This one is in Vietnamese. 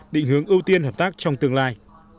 định hướng ưu tiên hợp tác trong tương lai